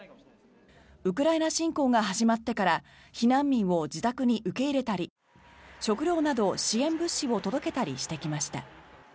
ウクライナ侵攻が始まってから避難民を自宅に受け入れたり食料など支援物資を届けたりしてきました。